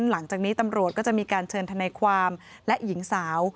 หลังจากนี้ตำรวจก็จะมีการเชิญทนายความและหญิงสาว